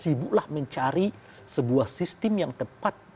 sibuklah mencari sebuah sistem yang tepat